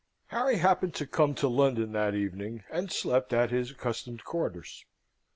Harry happened to come to London that evening, and slept at his accustomed quarters.